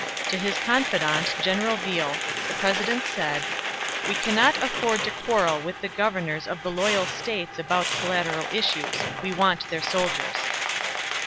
To his confidant, General Viele, the President said: "We cannot afford to quarrel with the governors of the loyal States about collateral issues. We want their soldiers."